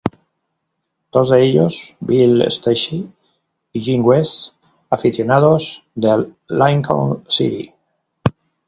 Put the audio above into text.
Dos de ellos, Bill Stacey y Jim West, aficionados del Lincoln City.